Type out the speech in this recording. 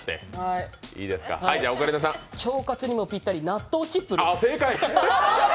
腸活にもぴったり、納豆チップル？